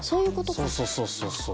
そうそうそうそうそう。